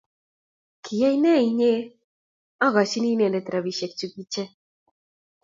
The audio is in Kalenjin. Kiyae ne inye akochini inendet rabisiek chukiche